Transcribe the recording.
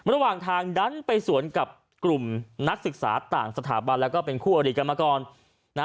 ระหว่างทางดันไปสวนกับกลุ่มนักศึกษาต่างสถาบันแล้วก็เป็นคู่อดีตกันมาก่อนนะ